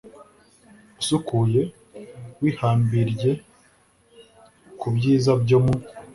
usukuye; wihambirirye ku byiza byo mu